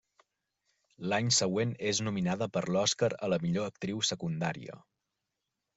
L'any següent, és nominada per l'Oscar a la millor actriu secundària.